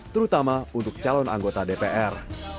terutama untuk calon anggota dpr